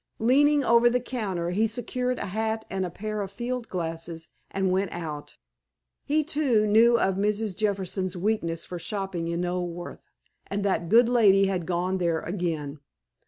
Leaning over the counter, he secured a hat and a pair of field glasses, and went out. He, too, knew of Mrs. Jefferson's weakness for shopping in Knoleworth, and that good lady had gone there again.